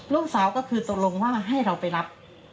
ลูกสาวก็คือตกลงว่าให้เราไปรับ